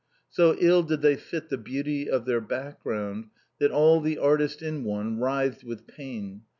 So ill did they fit the beauty of their background, that all the artist in one writhed with pain.